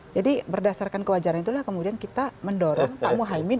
jadi berdasarkan kewajaran itulah kemudian kita mendorong pak muhaymin